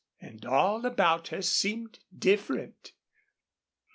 And all about her seemed different.